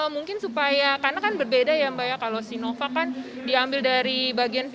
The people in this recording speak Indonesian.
mungkin supaya karena kan berbeda ya mbak ya kalau sinovac kan diambil dari bagian